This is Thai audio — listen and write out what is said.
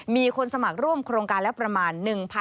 มีคนสมัครร่วมโครงการแล้วประมาณ